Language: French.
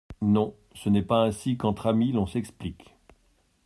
Non, ce n’est pas ainsi qu’entre amis l’on s’explique !